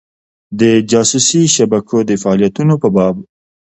د جاسوسي شبکو د فعالیتونو په باب.